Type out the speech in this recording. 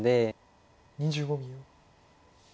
２５秒。